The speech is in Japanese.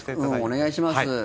お願いします。